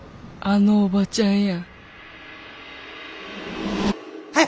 あのおばちゃんやはよ！